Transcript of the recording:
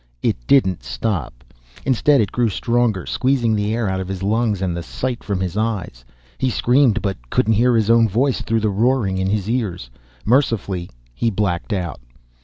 It didn't stop. Instead it grew stronger, squeezing the air out of his lungs and the sight from his eyes. He screamed but couldn't hear his own voice through the roaring in his ears. Mercifully he blacked out.